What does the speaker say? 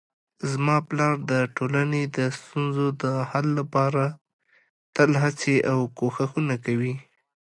زما پلار د ټولنې د ستونزو د حل لپاره تل هڅې او کوښښونه کوي